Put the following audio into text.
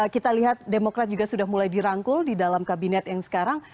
kita lihat demokrat juga sudah mulai dirangkul di dalam kabinet yang sekarang